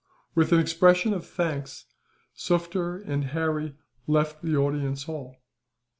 With an expression of thanks, Sufder and Harry left the audience hall.